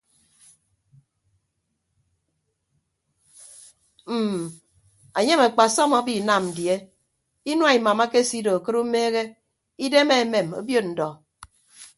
Mm anyem akpasọm abinam die inua imam akesido akịd umeehe idem amem obiod ndọ.